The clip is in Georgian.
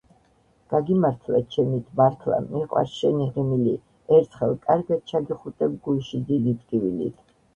გაგიმართლა ჩემით მართლა, მიყვარს შენი ღიმილი, ერთხელ კარგად ჩაგიხუტებ გულში დიდი ტკივილით.